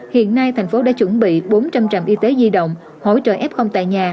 hiện nay thành phố đã chuẩn bị bốn trăm linh trạm y tế di động hỗ trợ f tại nhà